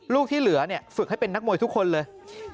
ที่เหลือฝึกให้เป็นนักมวยทุกคนเลย